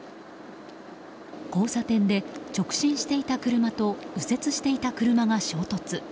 交差点で、直進していた車と右折していた車が衝突。